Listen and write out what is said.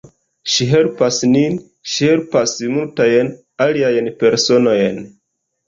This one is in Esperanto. Ŝi helpas nin, ŝi helpas multajn aliajn personojn.